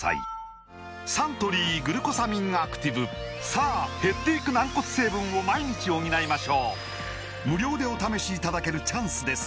サントリー「グルコサミンアクティブ」さあ減っていく軟骨成分を毎日補いましょう無料でお試しいただけるチャンスです